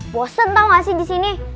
bosen tau gak sih disini